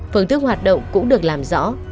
phương thức hoạt động cũng được làm rõ